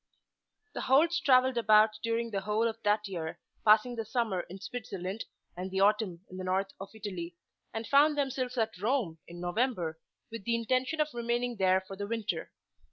The Holts travelled about during the whole of that year, passing the summer in Switzerland and the autumn in the north of Italy, and found themselves at Rome in November, with the intention of remaining there for the winter.